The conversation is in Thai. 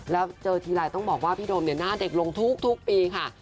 แล้วเจอทีไรต้องบอกว่าพี่โดมเนี่ยหน้าเด็กลงทุกปีค่ะ